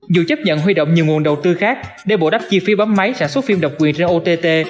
dù chấp nhận huy động nhiều nguồn đầu tư khác để bù đắp chi phí bấm máy sản xuất phim độc quyền ra ott